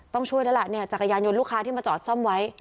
ต้องช่วยแล้วล่ะเนี่ยจักรยานยนต์ลูกค้าที่มาจอดซ่อมไว้